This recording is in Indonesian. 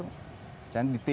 misalnya di t lima puluh